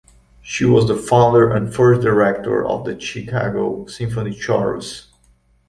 She was the founder and first director of the Chicago Symphony Chorus.